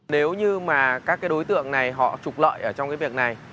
nếu như các đối tượng này họ trục lợi trong việc này